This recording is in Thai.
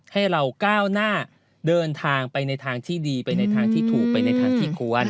ให้เราก้าวหน้าเดินทางไปในทางที่ดีไปในทางที่ถูกไปในทางที่ควร